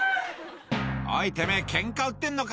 「おいてめぇケンカ売ってんのか？」